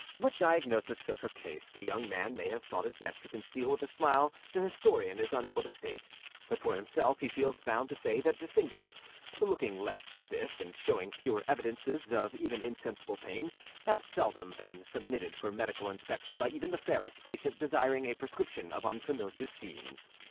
What diagnosis of her case the young man may have thought it best to conceal with a smile the historian is unable to state, but for himself he feels bound to say that fingers looking less stiff, and showing fewer evidences of even insensible pain, have seldom been submitted for medical inspection by even the fairest patient desiring a prescription of unfamiliar scenes.